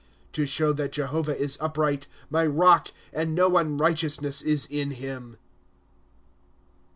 '" To show that Jehovah is upright ; My rock, and no unrighteousness is in him.